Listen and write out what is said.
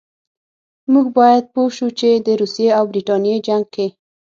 موږ باید پوه شو چې د روسیې او برټانیې جنګ کې.